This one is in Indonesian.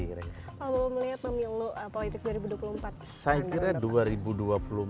kalau melihat memilu politik dua ribu dua puluh empat apa yang anda harapkan